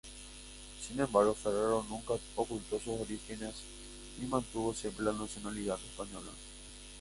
Sin embargo, Ferrero nunca ocultó sus orígenes y mantuvo siempre la nacionalidad española.